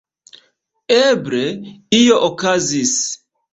Eble, io okazis.